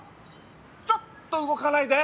ちょっと動かないで！